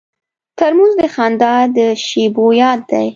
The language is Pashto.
ترموز د خندا د شیبو یاد دی.